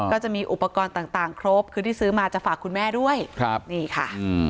ก็จะมีอุปกรณ์ต่างครบคือที่ซื้อมาจะฝากคุณแม่ด้วยครับนี่ค่ะ